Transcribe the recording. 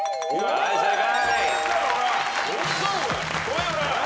はい正解。